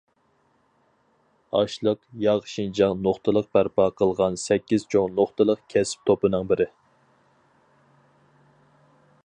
ئاشلىق، ياغ شىنجاڭ نۇقتىلىق بەرپا قىلغان سەككىز چوڭ نۇقتىلىق كەسىپ توپىنىڭ بىرى.